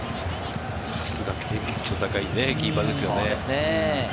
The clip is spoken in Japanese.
さすが経験値の高いキーパーですよね。